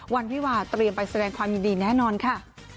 วิวาเตรียมไปแสดงความยินดีแน่นอนค่ะ